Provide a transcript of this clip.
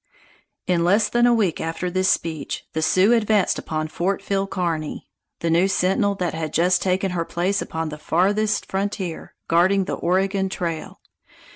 In less than a week after this speech, the Sioux advanced upon Fort Phil Kearny, the new sentinel that had just taken her place upon the farthest frontier, guarding the Oregon Trail.